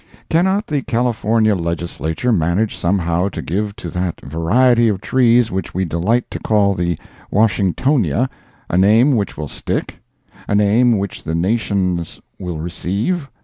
Cannot the California Legislature manage somehow to give to that variety of trees which we delight to call the "Washingtonia," a name which will stick?—a name which the nations will receive?